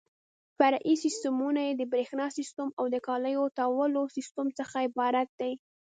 فرعي سیسټمونه یې د برېښنا سیسټم او د کالیو تاوولو سیسټم څخه عبارت دي.